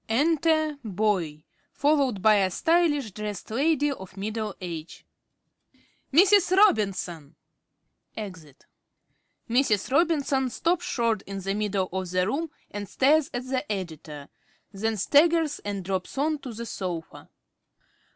Enter Boy, followed by a stylishly dressed lady of middle age. ~Boy.~ Mrs. Robinson. (Exit.) (Mrs. Robinson _stops short in the middle of the room and stares at the Editor; then staggers and drops on to the sofa.